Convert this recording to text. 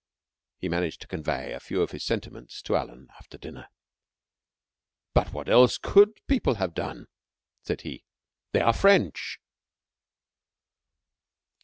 He managed to convey a few of his sentiments to Alan after dinner. "But what else could the people have done?" said he. "They are French."